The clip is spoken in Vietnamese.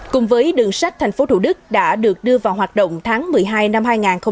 cùng với đường sách tp hcm đã được đưa vào hoạt động tháng một mươi hai năm hai nghìn hai mươi ba